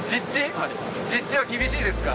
じっちは厳しいですか？